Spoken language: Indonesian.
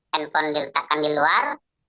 handphone diletakkan di luar